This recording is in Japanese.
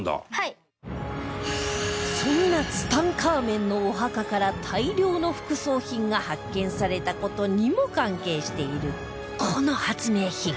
そんなツタンカーメンのお墓から大量の副葬品が発見された事にも関係しているこの発明品